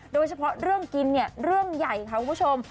โดยเฉพาะเรื่องกินเนี่ยเรื่องใหญ่ค่ะคุณผู้ชม